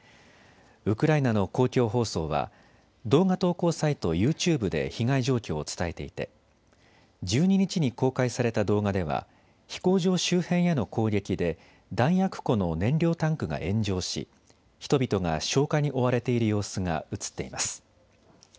ウクライナの公共放送は動画投稿サイト、ユーチューブで被害状況を伝えていて１２日に公開された動画では飛行場周辺への攻撃で弾薬庫の燃料タンクが炎上し人々が消火に追われている様子が映っています。